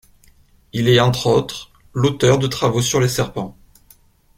Il est entre autres l'auteur de travaux sur les serpents.